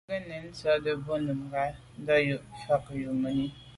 Mə́ gə nɛ̄n tsjə́ə̀də̄ bā núngā ndà’djú mə́ fá yɔ̀ mùní.